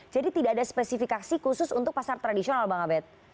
jadi tidak ada spesifikasi khusus untuk pasar tradisional bang abed